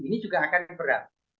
ini juga akan berat